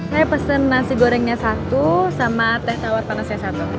saya pesen nasi gorengnya satu sama teh tawar panasnya satu